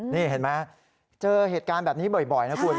นี่เห็นไหมเจอเหตุการณ์แบบนี้บ่อยนะคุณ